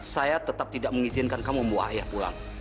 saya tetap tidak mengizinkan kamu membawa ayah pulang